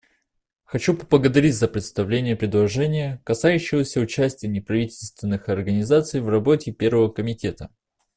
Хочу поблагодарить за представление предложения, касающегося участия неправительственных организаций в работе Первого комитета.